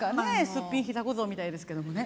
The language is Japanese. すっぴん膝小僧みたいですけどもね。